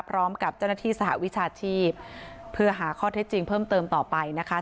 พร้อมกับเจ้าหน้าที่สหวิชาชีพเพื่อหาข้อเท็จจริงเพิ่มเติมต่อไปนะคะ